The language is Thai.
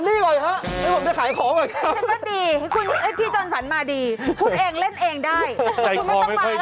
ดีครับเขาก่อนที่อยากมาได้ก่อน